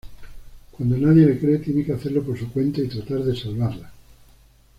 Cuando nadie le cree, tiene que hacerlo por su cuenta y tratar de salvarla.